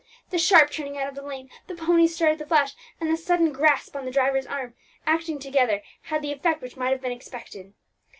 The sharp turning out of the lane, the pony's start at the flash, and the sudden grasp on the driver's arm, acting together, had the effect which might have been expected.